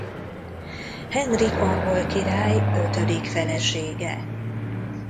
Henrik angol király ötödik felesége.